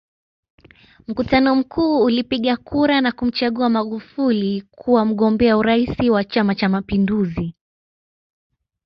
Mkutano mkuu ulipiga kura na kumchagua Magufuli kuwa mgombea urais wa Chama Cha Mapinduzi